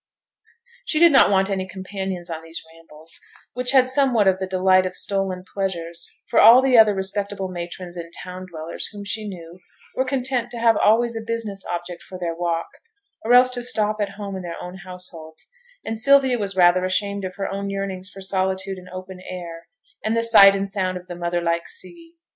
She did not want any companion on these rambles, which had somewhat of the delight of stolen pleasures; for all the other respectable matrons and town dwellers whom she knew were content to have always a business object for their walk, or else to stop at home in their own households; and Sylvia was rather ashamed of her own yearnings for solitude and open air, and the sight and sound of the mother like sea.